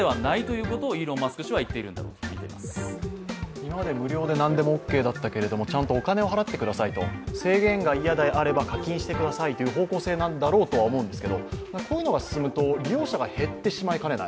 今まで無料で何でもオーケーだったけれども、ちゃんとお金を払ってくださいと、制限が嫌であれば課金してくださいという意味なんでしょうけどもこういうのが進むと、利用者が減ってしまいかねない。